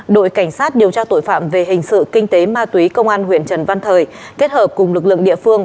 đội cảnh sát điều tra tội phạm về hình sự kinh tế ma túy công an huyện trần văn thời kết hợp cùng lực lượng địa phương